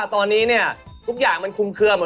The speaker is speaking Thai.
ส่วนเบอร์๓เนี่ยยังรังเลย์อยู่ครับ